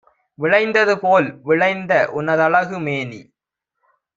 விளைந்ததுபோல் விளைந்தஉன தழகு மேனி